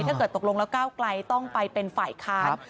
ตกลงแล้วก้าวไกลต้องไปเป็นฝ่ายค้าน